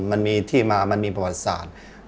มันมีที่มามันมีประวัติศาสตร์